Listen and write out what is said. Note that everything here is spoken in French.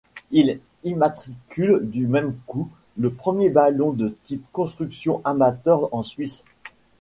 Il immatricule du même coup le premier ballon de type construction amateur en Suisse.